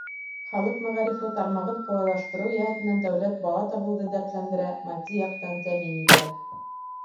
Халыҡ мәғарифы тармағын ҡулайлаштырыу йәһәтенән дәүләт бала табыуҙы дәртләндерә, матди яҡтан тәьмин итә.